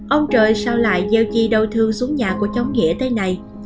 ông trời sao lại gieo chi đau thương xuống nhà của cháu nghĩa thế này